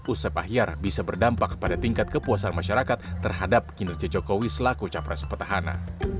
usep ahyar bisa berdampak pada tingkat kepuasan masyarakat terhadap kinerja jokowi selaku capres petahana